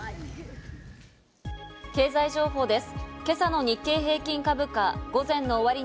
経済情報です。